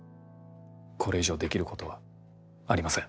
これ以上できることはありません。